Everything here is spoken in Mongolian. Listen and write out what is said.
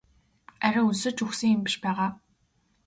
Арай өлсөж үхсэн юм биш байгаа?